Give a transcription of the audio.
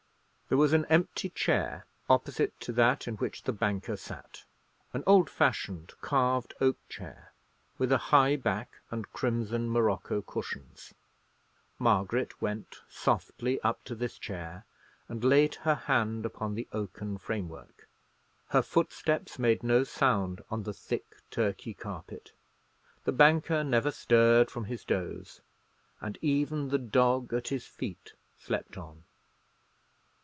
There was an empty chair opposite to that in which the banker sat; an old fashioned, carved oak chair, with a high back and crimson morocco cushions. Margaret went softly up to this chair, and laid her hand upon the oaken framework. Her footsteps made no sound on the thick Turkey carpet; the banker never stirred from his doze, and even the dog at his feet slept on.